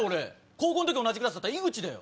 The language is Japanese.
高校の時同じクラスだった井口だよ。